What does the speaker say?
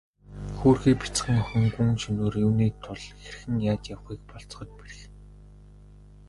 Хөөрхий бяцхан охин гүн шөнөөр юуны тул хэрхэн яаж явахыг болзоход бэрх.